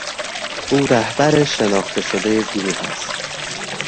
او رهبر شناخته شدهی گروه است.